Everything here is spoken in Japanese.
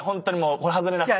これ外れなくて。